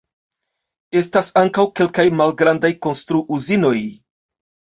Estas ankaŭ kelkaj malgrandaj konstru-uzinoj.